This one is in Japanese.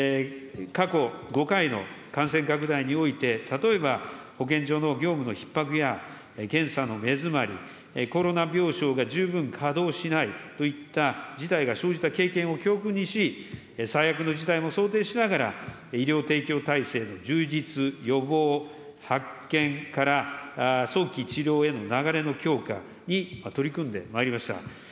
過去５回の感染拡大において、例えば保健所の業務のひっ迫や、検査の目詰まり、コロナ病床が十分稼働しないといった事態が生じた経験も教訓にし、最悪の事態も想定しながら、医療提供体制の充実、予防、発見から、早期治療への流れの強化に取り組んでまいりました。